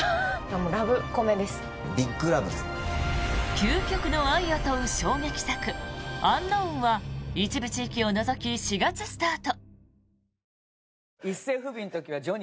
究極の愛を問う衝撃作「ｕｎｋｎｏｗｎ」は一部地域を除き４月スタート。